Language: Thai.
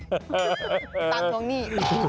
ตามตรงนี่